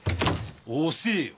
遅せえよ！